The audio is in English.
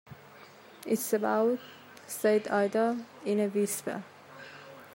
"It's about —" said Ada in a whisper.